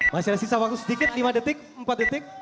masih ada sisa waktu sedikit lima detik empat detik